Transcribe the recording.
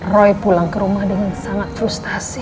roy pulang ke rumah dengan sangat frustasi